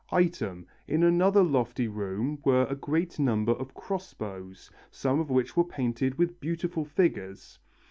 Item, in another lofty room were a great number of cross bows, some of which were painted with beautiful figures.